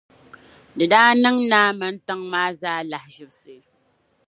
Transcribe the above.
Di daa niŋ naa mini tiŋa maa zaa lahaʒibsi.